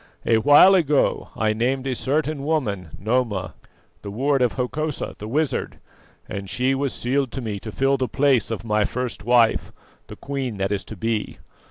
"A while ago I named a certain woman, Noma, the ward of Hokosa the wizard, and she was sealed to me to fill the place of my first wife, the queen that is to be.